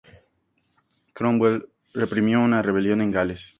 Cromwell reprimió una rebelión en Gales.